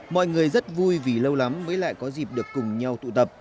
mọi người rất vui vì lâu lắm mới lại có dịp được cùng nhau tụ tập